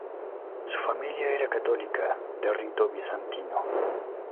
Su familia era católica de rito bizantino.